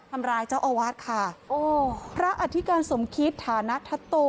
ทำร้ายเจ้าอาวาสค่ะโอ้พระอธิการสมคิตฐานะทัศโต